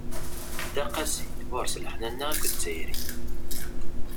Dda qasi, ɣur-s leḥnana akked tayri.